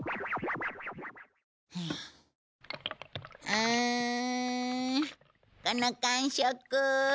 うんこの感触。